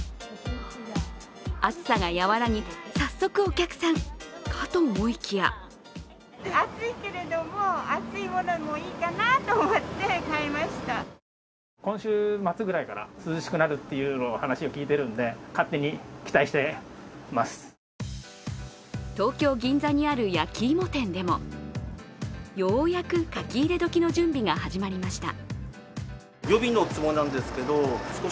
暑さが和らぎ、早速お客さんかと思いきや東京・銀座にある焼き芋店でもようやく書き入れ時の準備が始まりました。